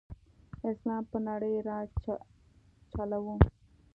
اسلام په نړۍ راج چلاؤ.